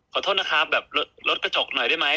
ขอโทษนะครับแบบรถกระจกหน่อยได้ไหม